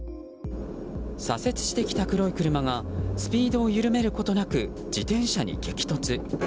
左折してきた黒い車がスピードを緩めることなく自転車に激突。